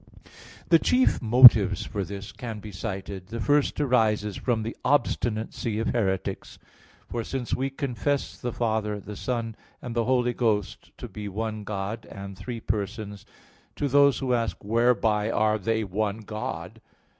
Two chief motives for this can be cited. The first arises from the obstinacy of heretics. For since we confess the Father, the Son, and the Holy Ghost to be one God and three persons, to those who ask: "Whereby are They one God?